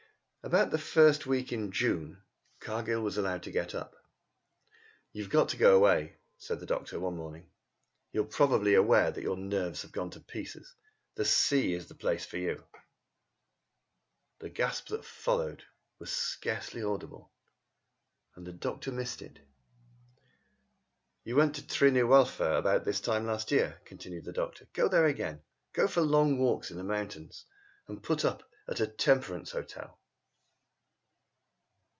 About the first week in June Cargill was allowed to get up. "You've got to go away," said the doctor one morning. "You are probably aware that your nerves have gone to pieces. The sea is the place for you!" The gasp that followed was scarcely audible, and the doctor missed it. "You went to Tryn yr Wylfa about this time last year," continued the doctor. "Go there again! Go for long walks on the mountains, and put up at a temperance hotel."